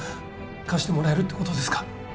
貸してもらえるってことですか？